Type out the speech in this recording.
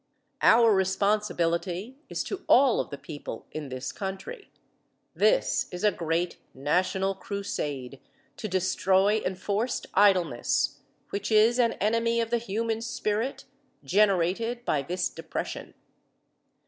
Our responsibility is to all of the people in this country. This is a great national crusade to destroy enforced idleness which is an enemy of the human spirit generated by this depression.